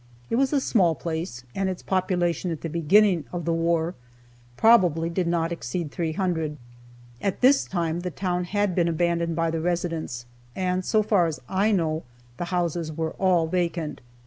It was a small place, and its population at the beginning of the war probably did not exceed three hundred. At this time the town had been abandoned by the residents, and so far as I know the houses were all vacant.